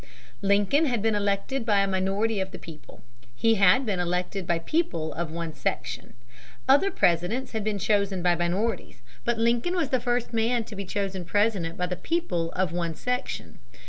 Lincoln had been elected by a minority of the people. He had been elected by the people of one section. Other Presidents had been chosen by minorities. But Lincoln was the first man to be chosen President by the people of one section.